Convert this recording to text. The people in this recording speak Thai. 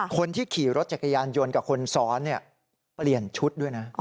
คนที่ขี่รถจักรยานยนต์กับคนซ้อนเปลี่ยนชุดด้วยนะ